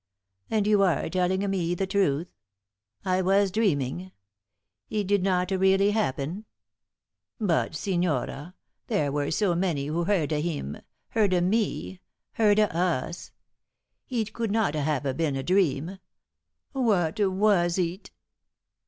And you are telling me the truth? I was dreaming? Eet did not really happen? But, signora, there were so many who hearda heem hearda me hearda us! Eet could not hava been a dream. Whata was eet?"